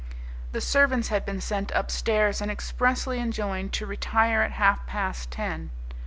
The servants had been sent upstairs and expressly enjoined to retire at half past ten.